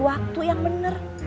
waktu yang bener